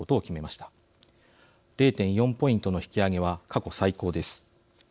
０．４ポイントの引き上げは過去最高です。